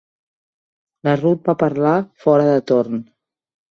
La Ruth va parlar fora de torn.